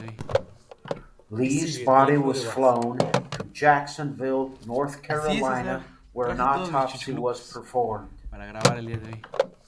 Lee's body was flown to Jacksonville, North Carolina, where an autopsy was performed.